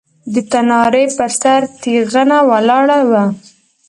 د تنارې پر سر تېغنه ولاړه وه.